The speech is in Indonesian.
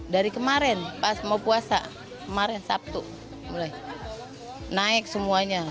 dari kemarin pas mau puasa kemarin sabtu mulai naik semuanya